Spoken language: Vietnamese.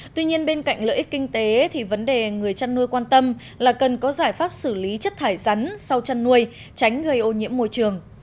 tuy nhiên bên cạnh lợi ích kinh tế thì vấn đề người chăn nuôi quan tâm là cần có giải pháp xử lý chất thải rắn sau chăn nuôi tránh gây ô nhiễm môi trường